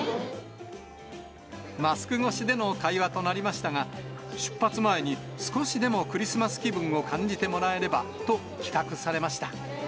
マスク越しでの会話となりましたが、出発前に少しでもクリスマス気分を感じてもらえればと企画されました。